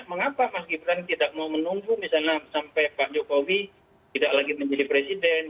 mengapa mas gibran tidak mau menunggu misalnya sampai pak jokowi tidak lagi menjadi presiden